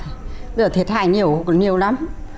bây giờ thiệt hại nhiều nhiều lắm